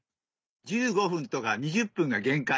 １５分とか２０分が限界。